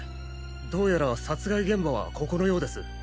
どうやら殺害現場はここのようです。